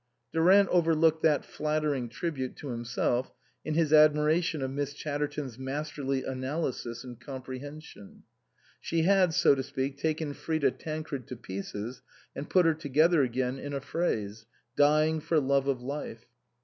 Durant overlooked that flattering tribute to himself in his admiration of Miss Chatterton's masterly analysis and comprehension. She had, so to speak, taken Frida Tancred to pieces and put her together again in a phrase " Dying for love of life."